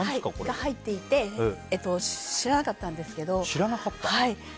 入っていて知らなかったんですけど。